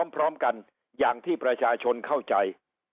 พร้อมกันอย่างที่ประชาชนเข้าใจ